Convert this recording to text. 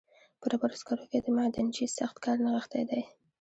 په ډبرو سکرو کې د معدنچي سخت کار نغښتی دی